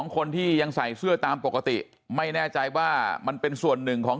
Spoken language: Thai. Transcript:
คนที่ยังใส่เสื้อตามปกติไม่แน่ใจว่ามันเป็นส่วนหนึ่งของ